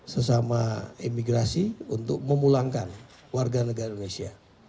sesama imigrasi untuk memulangkan warga negara indonesia